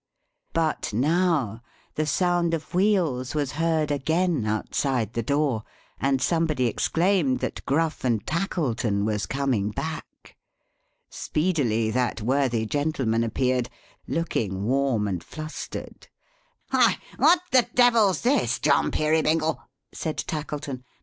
But now the sound of wheels was heard again outside the door; and somebody exclaimed that Gruff and Tackleton was coming back. Speedily that worthy gentleman appeared: looking warm and flustered. "Why, what the Devil's this, John Peerybingle!" said Tackleton.